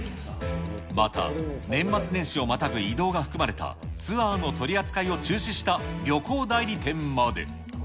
また、年末年始をまたぐ移動が含まれた、ツアーの取り扱いを中止した旅行代理店まで。